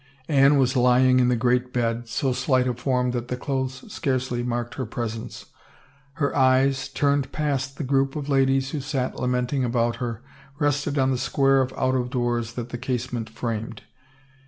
Anne was lying in the great bed, so slight a form that the clothes scarcely marked her presence. Her eyes, turned past the group of ladies who sat lamenting about her, rested on the square of out of doors that the casement framed.